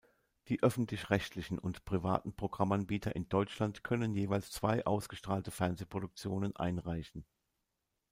Die öffentlich-rechtlichen und privaten Programmanbieter in Deutschland können jeweils zwei ausgestrahlte Fernsehproduktionen einreichen.